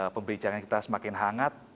pembicaraan kita semakin hangat